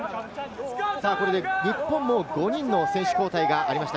これで日本も５人の選手交代がありました。